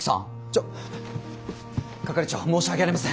ちょ係長申し訳ありません。